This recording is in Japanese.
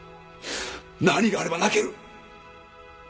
何があれば泣ける？